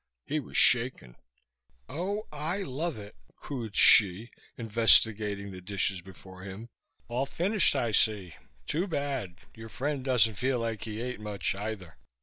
He was shaken. "Oh, I love it," cooed Hsi, investigating the dishes before him. "All finished, I see. Too bad. Your friend doesn't feel like he ate much, either."